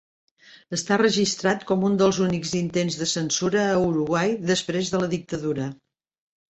Està registrat com un dels únics intents de censura a Uruguai després de la dictadura.